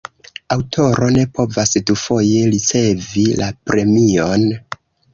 Aŭtoro ne povas dufoje ricevi la premion.